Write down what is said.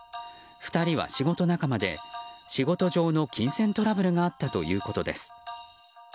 ２人は仕事仲間で仕事上の金銭トラブルがあったということです。